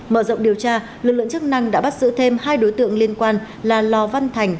mở rộng điều tra lực lượng chức năng đã bắt giữ thêm hai đối tượng liên quan là lò văn thành